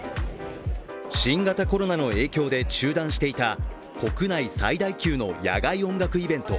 新型コロナの影響で中断していた国内最大級の野外音楽イベント